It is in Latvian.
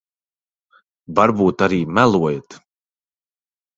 Varbūt arī melojat.